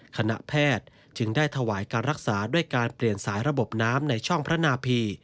คณะแพทย์จึงได้ถวายการรักษาด้วยการเปลี่ยนสายระบบน้ำในช่องพระนาพี